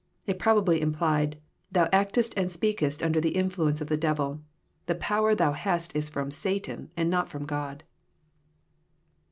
It probably implied, " Thou actest and speakest under the influence of the devil. The power Thou hast is from Satan, and not from God."